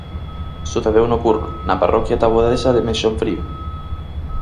Sucedeu no Curro, na parroquia taboadesa de Meixonfrío.